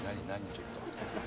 ちょっと。